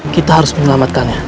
kita harus menyelamatkannya